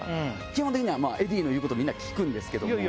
基本的にはエディーの言うことみんな聞くんですけども。